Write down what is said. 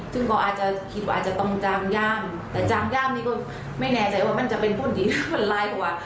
ซึ่งก็อาจจะคิดว่าอาจจะต้องจามย่ามแต่จางย่ามนี่ก็ไม่แน่ใจว่ามันจะเป็นผลดีหรือมันร้ายกว่า